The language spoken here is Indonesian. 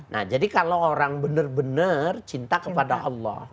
nah jadi kalau orang benar benar cinta kepada allah